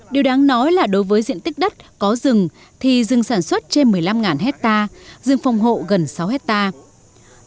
điều đáng nói là đối với diện tích đất có rừng thì rừng sản xuất trên một mươi năm hectare rừng phòng hộ gần sáu hectare